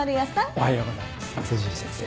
おはようございます辻井先生。